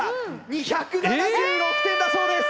２７６点だそうです！